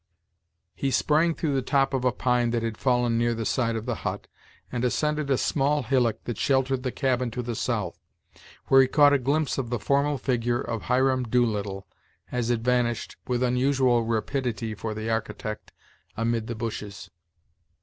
He sprang through the top of a pine that had fallen near the side of the hut, and ascended a small hillock that sheltered the cabin to the south, where he caught a glimpse of the formal figure of Hiram Doolittle, as it vanished, with unusual rapidity for the architect, amid the bushes.